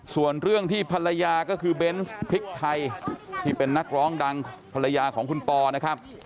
ส่วนเรื่องที่ภรรยาก็คือเบนส์พริกไทยที่เป็นนักร้องดังภรรยาของคุณปอนะครับ